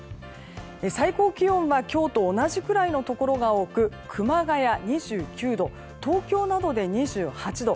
最高気温は今日と同じくらいのところが多く熊谷、２９度東京などで２８度。